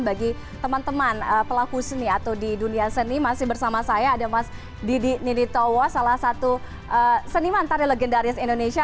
bagi teman teman pelaku seni atau di dunia seni masih bersama saya ada mas didi ninitowo salah satu seniman tari legendaris indonesia